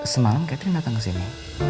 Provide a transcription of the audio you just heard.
semalam catherine datang kesini